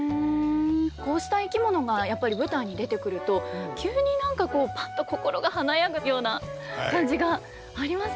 こうした生き物がやっぱり舞台に出てくると急に何かこうパッと心が華やぐような感じがありませんか。